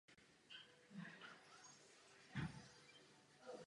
I přesto ale nebyly všichni spokojeni.